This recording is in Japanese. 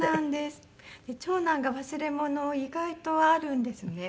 長男が忘れ物を意外とあるんですね。